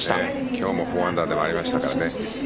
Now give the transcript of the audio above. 今日も４アンダーで回りましたからね。